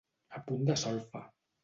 A punt de solfa.